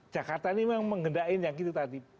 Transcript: jakarta ini memang mengendak yang gitu tadi